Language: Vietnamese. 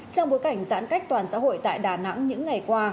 trong bối cảnh giãn cách toàn xã hội tại đà nẵng những ngày qua